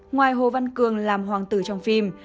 ngoài hồ văn cường làm hoàng tử trong phim